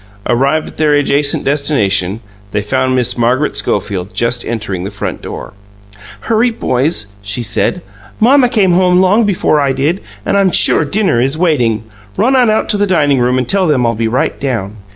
Arrived at their adjacent destination, they found Miss Margaret Schofield just entering the front door. "Hurry, boys!" she said. "Mamma came home long before I did, and I'm sure dinner is waiting. Run on out to the dining room and tell them I'll be right down."